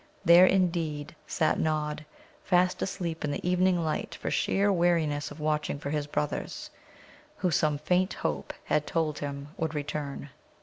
There, indeed, sat Nod, fast asleep in the evening light for sheer weariness of watching for his brothers, who, some faint hope had told him, would return.